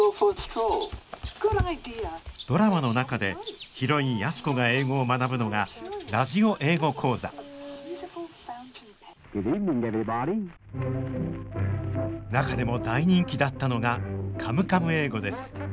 ドラマの中でヒロイン安子が英語を学ぶのがラジオ英語講座中でも大人気だったのが「カムカム英語」です。